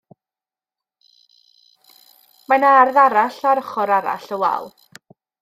Mae 'na ardd arall ar ochr arall y wal.